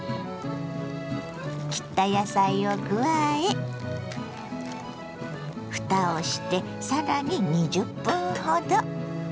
切った野菜を加えふたをしてさらに２０分ほど。